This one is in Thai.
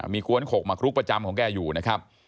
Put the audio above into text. มีกวนขกมาคลุกประจำของแกอยู่นะครับ